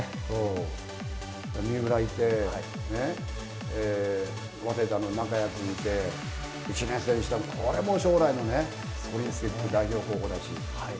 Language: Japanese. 三浦いて、早稲田の中谷君いて、１年生の石田、これはもう、将来のオリンピック代表候補だし。